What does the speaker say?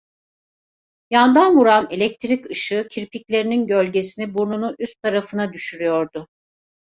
Yandan vuran elektrik ışığı kirpiklerinin gölgesini burnunun üst tarafına düşürüyordu.